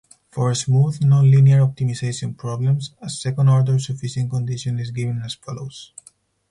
For smooth, non-linear optimization problems, a second order sufficient condition is given as follows.